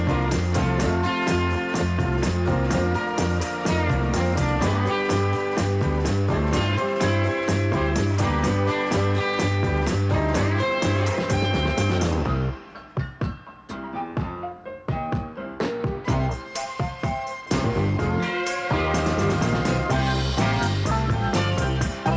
อุ๊ดเดินมา